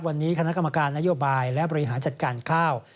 วันนี้คณะกรรมการนโยบายและบริหารจัดการข้าว